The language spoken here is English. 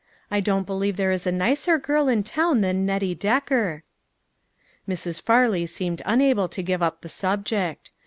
I don't believe there is a nicer girl in town than Nettie Decker." Mrs. Farley seemed unable to give up the subject.